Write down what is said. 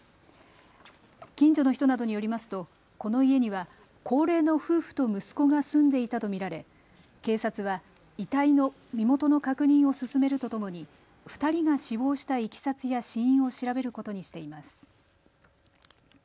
近所の人などによりますとこの家には高齢の夫婦と息子が住んでいたと見られ警察は遺体の身元の確認を進めるとともに２人が死亡したいきさつや死因を調べることにしています。